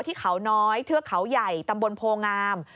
ที่เขาน้อยเทือกเขาใหญ่ตำบลโพงาม